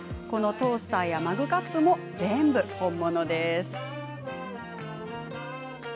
このトースターやマグカップも全部、本物なんです。